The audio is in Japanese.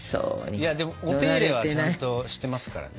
いやでもお手入れはちゃんとしてますからね。